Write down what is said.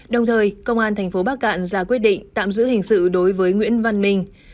đồng thời công an thành phố bắc cạn ra quyết định tạm giữ hình sự đối với nguyễn văn minh